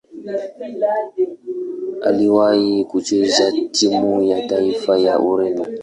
Aliwahi kucheza timu ya taifa ya Ureno.